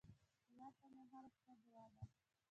هیواد ته مې هره شپه دعا ده